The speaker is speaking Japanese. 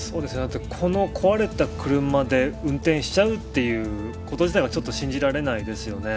この壊れた車で運転しちゃうということ自体がちょっと信じられないですよね。